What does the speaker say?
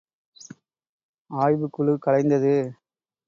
ஆய்வுக் குழு கலைந்தது.